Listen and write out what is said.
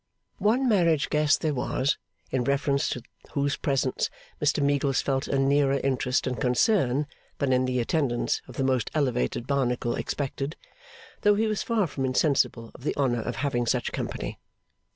One marriage guest there was, in reference to whose presence Mr Meagles felt a nearer interest and concern than in the attendance of the most elevated Barnacle expected; though he was far from insensible of the honour of having such company.